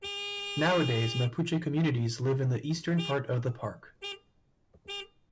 Nowadays Mapuche communities live in the eastern part of the park.